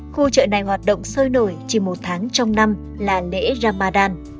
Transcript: khu chợ này hoạt động sôi nổi chỉ một tháng trong năm là lễ ramadan